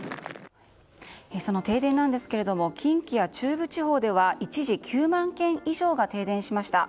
その停電なんですけども近畿や中部地方では一時９万軒以上が停電しました。